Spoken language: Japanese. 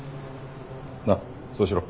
なっそうしろ。